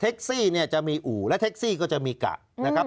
เท็กซี่จะมีอู๋และเท็กซี่ก็จะมีกะนะครับ